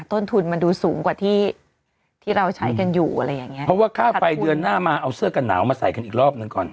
ต้นทุนมันดูสูงกว่าที่ที่เราใช้กันอยู่อะไรอย่างเงี้เพราะว่าค่าไฟเดือนหน้ามาเอาเสื้อกันหนาวมาใส่กันอีกรอบหนึ่งก่อน